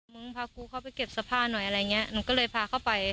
มึงพากูเข้าไปเก็บเสื้อผ้าหน่อยอะไรอย่างเงี้ยหนูก็เลยพาเข้าไป